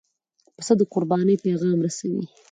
پسه د قربانۍ پیغام رسوي.